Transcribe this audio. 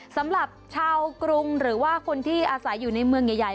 สำหรับชาวกรุงหรือว่าคนที่อาศัยอยู่ในเมืองใหญ่